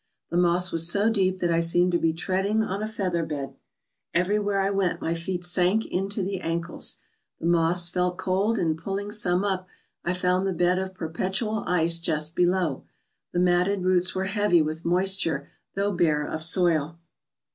The moss was so deep that I seemed to be treading on a feather bed. Every where I went my feet sank in to the ankles. The moss felt cold, and pulling some up, I found the bed of per petual ice just below. The matted roots were heavy with moisture though bare of soil.